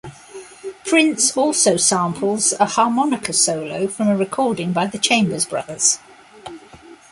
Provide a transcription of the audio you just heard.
Prince also samples a harmonica solo from a recording by The Chambers Brothers.